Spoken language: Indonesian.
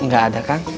gak ada kak